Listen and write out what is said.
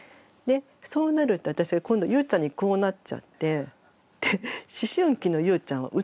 そうなると私は今度ゆうちゃんにこうなっちゃってで思春期のゆうちゃんはうっとうしいわけじゃないですか。